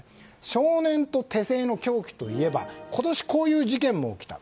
少年と手製の凶器といえば今年、こういう事件も起きた。